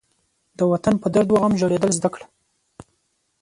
د وطن په درد و غم ژړېدل زده کړه.